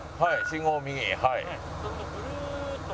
信号を右。